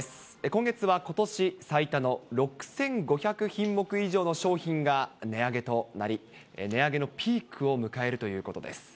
今月はことし最多の６５００品目以上の商品が値上げとなり、値上げのピークを迎えるということです。